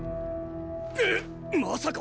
えっ⁉まさか。